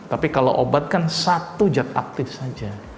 tapi kalau obat kan satu zat aktif saja